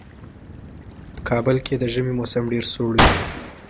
په کابل کې د ژمي موسم ډېر سوړ وي.